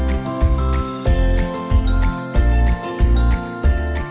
iya kan pedes